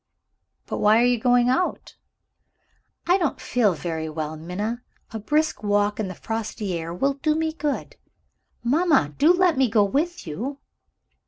"But why are you going out?" "I don't feel very well, Minna. A brisk walk in the frosty air will do me good." "Mamma, do let me go with you!"